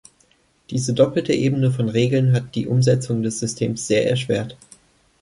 Diese doppelte Ebene von Regeln hat die Umsetzung des Systems sehr erschwert.